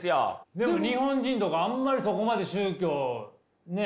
でも日本人とかあんまりそこまで宗教ね。